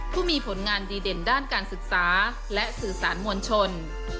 ผู้มีผลงานดีเด่นด้านการศึกษาและสื่อสารมวลชน